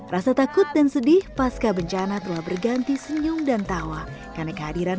rasa takut dan sedih pasca bencana telah berganti senyum dan tawa karena kehadiran